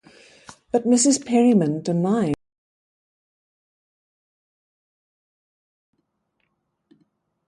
But Mrs. Perryman denied that any gunmen burst in on her.